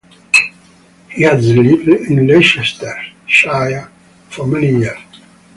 He has lived in Leicestershire for many years.